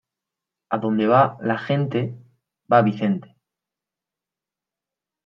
Adonde va la gente, va Vicente.